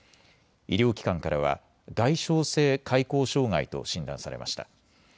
医療機関からは外傷性開口障害と診断されました。